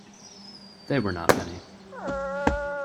They were not many.